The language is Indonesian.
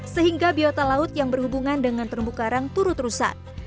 sehingga biota laut yang berhubungan dengan terumbu karang turut rusak